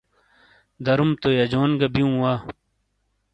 دروم تو یجون گہ بیئوں وا۔